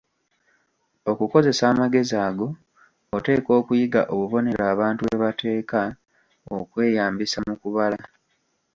Okukozesa amagezi ago, oteekwa okuyiga obubonero abantu bwe bateeka okweyambisa mu kubala.